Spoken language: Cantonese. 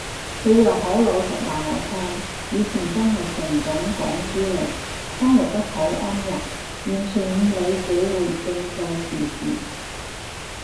佢又好老實話我聽，以前真係純種港豬嚟，生活得好安逸，完全唔理社會政制時事